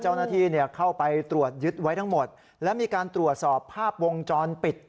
เจ้าหน้าที่เข้าไปตรวจยึดไว้ทั้งหมดและมีการตรวจสอบภาพวงจรปิด